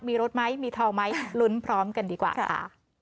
มีรถไหมมีทองไหมลุ้นพร้อมกันดีกว่าค่ะ